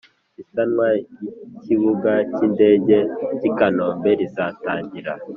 isanwa ry' ikibuga cy' indege cy' i kanombe rizatangira